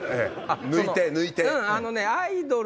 抜いて抜いて。